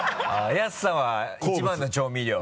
安さは１番の調味料？